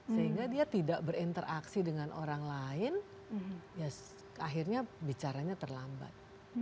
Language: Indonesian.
sehingga dia tidak berinteraksi dengan orang lain ya akhirnya bicaranya terlambat